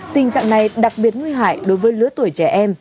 tình trạng này đặc biệt nguy hại đối với lứa tuổi trẻ em